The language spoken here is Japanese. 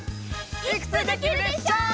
「いくつできるでショー？」